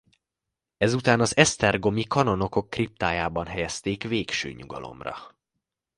Ezután az esztergomi kanonokok kriptájában helyezték végső nyugalomra.